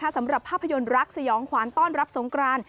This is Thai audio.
สำหรับภาพยนตร์รักสยองขวานต้อนรับสงกราน